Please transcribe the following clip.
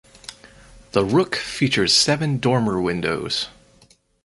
The rook features seven dormer windows.